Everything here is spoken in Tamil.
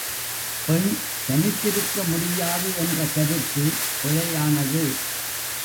பெண் தனித்திருக்க முடியாது என்ற கருத்து பிழையானது.